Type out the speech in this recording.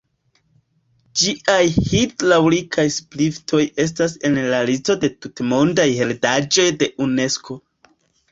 Ĝiaj hidraŭlikaj ŝipliftoj estas en la listo de tutmondaj heredaĵoj de Unesko.